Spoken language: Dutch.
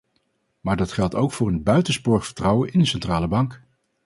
Maar dat geldt ook voor een buitensporig vertrouwen in een centrale bank.